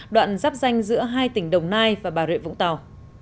đoạn giáp danh giữa hai tỉnh đồng nai và bà rịa vũng tàu